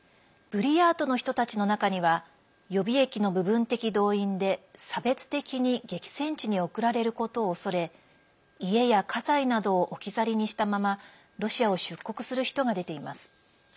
ブリヤートの人たちの中には予備役の部分的動員で差別的に激戦地に送られることを恐れ家や家財などを置き去りにしたままロシアを出国する人が出ています。